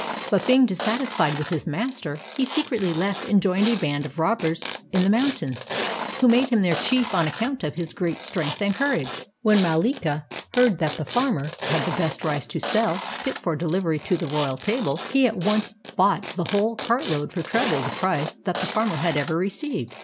But being dissatisfied with his master, he secretly left and joined a band of robbers in the moun tains, who made him their chief on account of his great strength and courage. When Mallika heard that the farmer had the best rice to sell, fit for delivery to the royal table, he at once bought the whole cartload for treble the price that the fanner had ever received.